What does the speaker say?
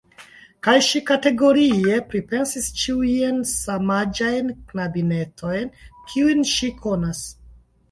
Kaj ŝi kategorie pripensis ĉiujn samaĝajn knabinetojn kiujn ŝi konas.